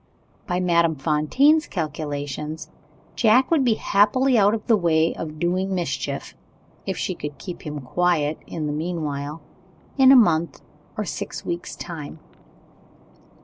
By Madame Fontaine's calculations, Jack would be happily out of the way of doing mischief (if she could keep him quiet in the meanwhile) in a month or six weeks' time.